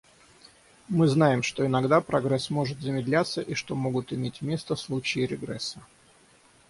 Мы знаем, что иногда прогресс может замедляться и что могут иметь место случаи регресса.